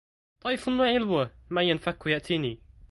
طيف لعلوة ما ينفك يأتيني